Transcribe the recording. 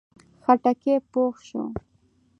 خټکی پوخ شو.